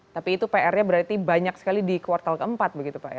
tapi itu pr nya berarti banyak sekali di kuartal keempat begitu pak ya